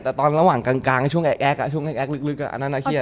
แต่ตอนระหว่างกลางช่วงแอ๊กช่วงแอ๊กลึกอันนั้นน่าเครียด